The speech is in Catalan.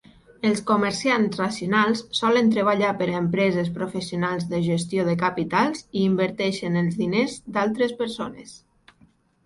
Els comerciants racionals solen treballar per a empreses professionals de gestió de capitals i inverteixen els diners d"altres persones.